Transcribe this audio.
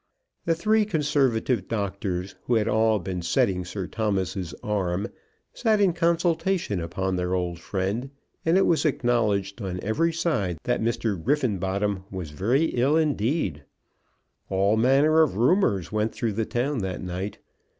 The three conservative doctors, who had all been setting Sir Thomas's arm, sat in consultation upon their old friend; and it was acknowledged on every side that Mr. Griffenbottom was very ill indeed. All manner of rumours went through the town that night.